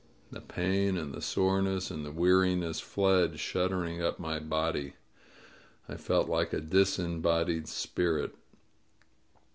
The pain and the soreness and the weariness fled shud dering up my body. I felt like a disembodied spirit.